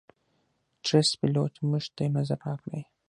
ټرسټ پیلوټ - موږ ته یو نظر راکړئ